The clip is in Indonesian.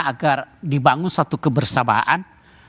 agar dibangun suatu kebersamaan